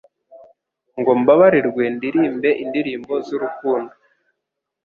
ngo mbabarirwe Ndirimbe Indirimbo z'urukundo